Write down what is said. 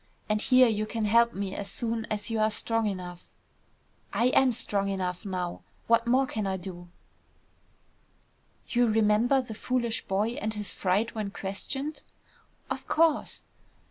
And here you can help me as soon as you are strong enough." "I am strong enough now. What more can I do?" "You remember the foolish boy and his fright when questioned?" "Of course."